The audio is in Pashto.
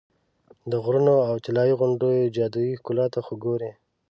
د غرونو او طلایي غونډیو جادویي ښکلا ته خو ګورې.